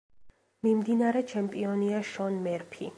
მიმდინარე ჩემპიონია შონ მერფი.